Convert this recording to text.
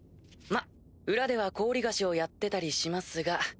まっ裏では高利貸をやってたりしますが。